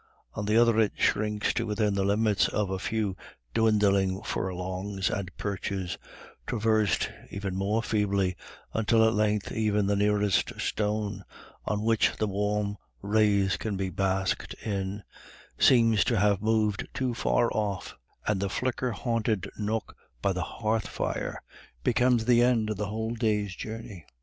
On the other, it shrinks to within the limits of a few dwindling furlongs and perches, traversed ever more feebly, until at length even the nearest stone, on which the warm rays can be basked in, seems to have moved too far off, and the flicker haunted nook by the hearth fire becomes the end of the whole day's journey.